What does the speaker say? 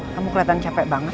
kamu keliatan capek banget